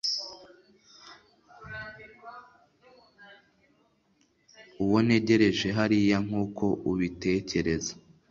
uwo ntegereje hariya nkuko ubitekereza